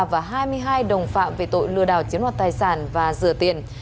và hai mươi hai đồng phạm về tội lừa đảo chiếm đoạt tài sản và rửa tiền